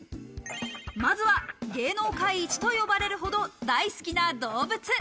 まずは芸能界一と呼ばれるほど大好きな動物。